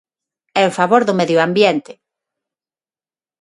En favor do medio ambiente.